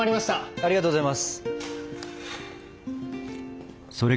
ありがとうございます。